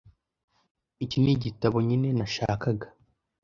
Iki nigitabo nyine nashakaga.